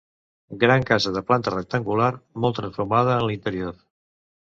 Gran casa de planta rectangular, molt transformada en l'interior.